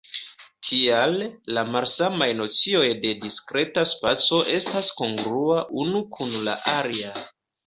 Tial, la malsamaj nocioj de diskreta spaco estas kongruaj unu kun la alia.